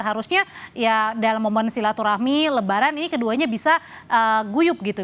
harusnya ya dalam momen silaturahmi lebaran ini keduanya bisa guyup gitu